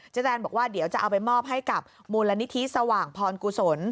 แตนบอกว่าเดี๋ยวจะเอาไปมอบให้กับมูลนิธิสว่างพรกุศล